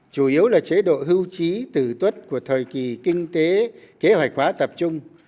chủ yếu là chế độ hưu trí tử tuất của thời kỳ kinh tế kế hoạch hóa tập trung